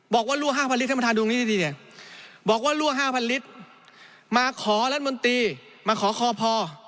บอกว่ารั่ว๕๐๐๐ลิตรท่านบอกว่ารั่ว๕๐๐๐ลิตรมาขอร้านบนนตรีมาขอคอพอ